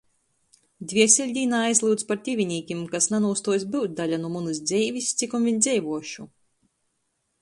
Dvieseļdīnā aizlyudz par tivinīkim, kas nanūstuos byut daļa nu munys dzeivis, cikom viņ dzeivuošu.